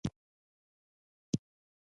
پۀ ديدن به ئې ګهائل زړونه رغيږي